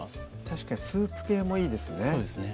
確かにスープ系もいいですねそうですね